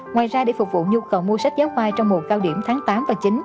ngoài ra để phục vụ nhu cầu mua sách giáo khoa trong mùa cao điểm tháng tám và chín